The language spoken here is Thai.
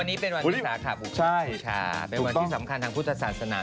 วันนี้เป็นวันวิสัยค่ะเป็นวันที่สำคัญทางพุทธศาสตร์สนาม